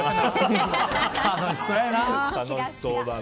楽しそうやな。